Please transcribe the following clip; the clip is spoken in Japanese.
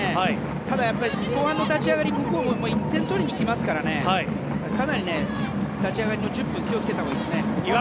ただ、後半の立ち上がり向こうも１点取りに来ますからかなり立ち上がりの１０分気をつけたほうがいいですね。